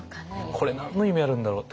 これ何の意味あるんだろう？